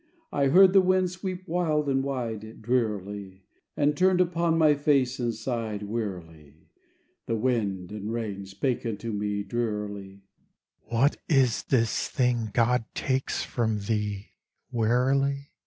I heard the wind sweep wild and wide, Drearily; And turned upon my face and sighed Wearily. The wind and rain spake unto me, Drearily: "What is this thing God takes from thee, Wearily?"